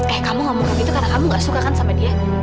eh kamu ngomongin gitu karena kamu gak suka kan sama dia